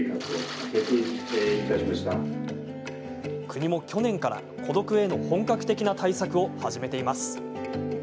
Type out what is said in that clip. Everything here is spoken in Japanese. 国も去年から孤独への本格的な対策を始めています。